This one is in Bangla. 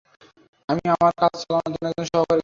আমি আমার কাজ চালানোর জন্য একজন সহকারী খুঁজছি।